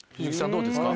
どうですか？